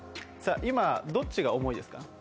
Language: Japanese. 今、どっちが重いですか？